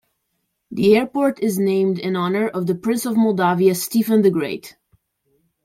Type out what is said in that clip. The airport is named in honour of the Prince of Moldavia Stephen the Great.